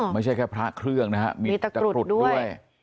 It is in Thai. ไม่ใช่แค่พระเครื่องนะฮะมีตะกรุดด้วย